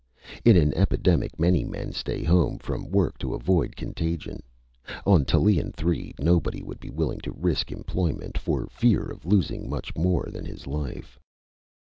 In any epidemic many men stay home from work to avoid contagion. On Tallien Three nobody would be willing to risk employment, for fear of losing much more than his life.